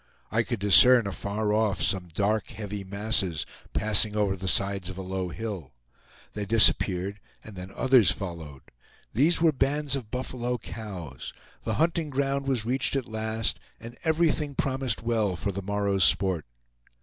I could discern afar off some dark, heavy masses, passing over the sides of a low hill. They disappeared, and then others followed. These were bands of buffalo cows. The hunting ground was reached at last, and everything promised well for the morrow's sport.